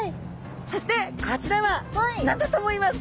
そしてこちらは何だと思いますか？